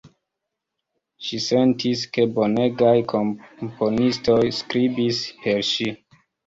Ŝi sentis, ke bonegaj komponistoj skribis per ŝi.